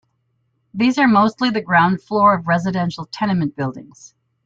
These are mostly the ground floor of residential tenement buildings.